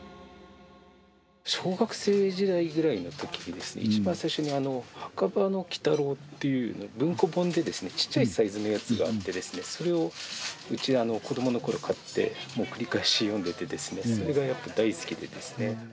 小学生時代ぐらいのときですね、一番最初に墓場の鬼太郎っていう、文庫本でですね、ちっちゃいサイズのやつがあってですね、それをうち、子どものころ買って、繰り返し読んでてですね、それがやっぱり大好きでですね。